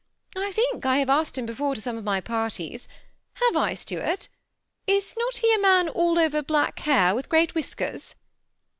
I think I have asked him before to some of my parties. Have I, Stuart? Is not he a man all over black hair, with great whiskers?"